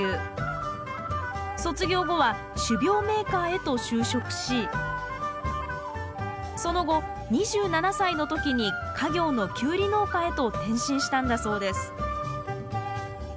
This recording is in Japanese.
卒業後は種苗メーカーへと就職しその後２７歳の時に家業のキュウリ農家へと転身したんだそうです